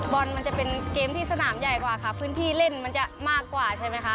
บอลมันจะเป็นเกมที่สนามใหญ่กว่าค่ะพื้นที่เล่นมันจะมากกว่าใช่ไหมคะ